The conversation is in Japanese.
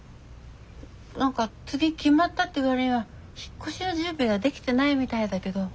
何か次決まったって割には引っ越しの準備ができてないみたいだけど。